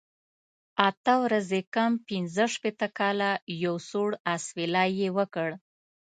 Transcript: اته ورځې کم پنځه شپېته کاله، یو سوړ اسویلی یې وکړ.